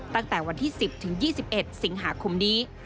ตั้งแต่วันที่๑๐ถึง๒๑สิงหาคมนี้